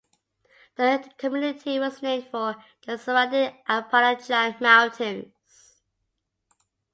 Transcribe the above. The community was named for the surrounding Appalachian Mountains.